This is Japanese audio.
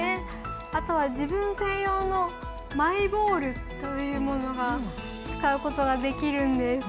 あとは自分専用のマイボールというものを使うことができるんです。